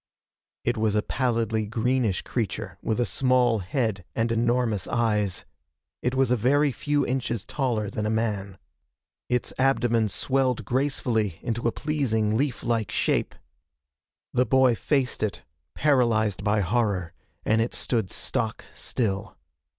It was a pallidly greenish creature with a small head and enormous eyes. It was a very few inches taller than a man. Its abdomen swelled gracefully into a pleasing, leaf like shape. The boy faced it, paralyzed by horror, and it stood stock still.